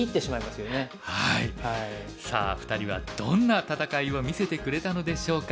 さあ２人はどんな戦いを見せてくれたのでしょうか？